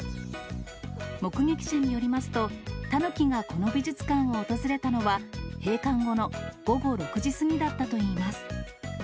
目撃者によりますと、タヌキがこの美術館を訪れたのは、閉館後の午後６時過ぎだったといいます。